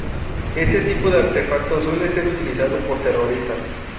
Este tipo de artefactos suele ser utilizado por terroristas.